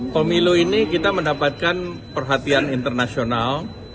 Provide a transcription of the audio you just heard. pemilu ini kita mendapatkan perhatian internasional